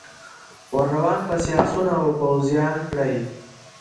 ور روان پسي آسونه او پوځیان کړی